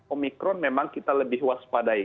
omikron memang kita lebih waspadai